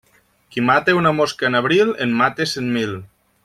Qui mata una mosca en abril, en mata cent mil.